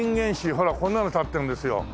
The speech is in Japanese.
ほらこんなの立ってるんですよ。